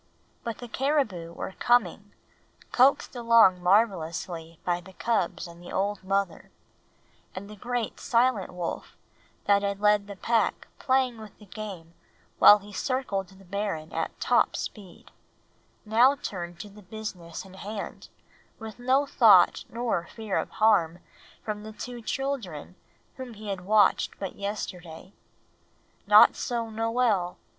But the caribou were coming, coaxed along marvelously by the cubs and the old mother; and the great silent wolf, that had left the pack playing with the game while he circled the barren at top speed, now turned to the business in hand with no thought nor fear of harm from the two children whom he had watched but yesterday. Not so Noel.